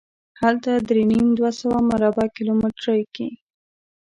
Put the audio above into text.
هلته درې نیم سوه مربع کیلومترۍ کې.